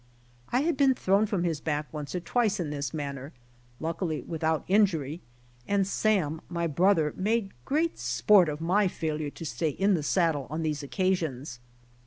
I had been thrown from his back once or twice in this manner, luckily withjut injury, and Sam, m^y brother, made great sport of my failure to stay in the saddle on these occasions.